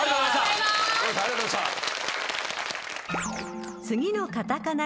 梅垣さんありがとうございました。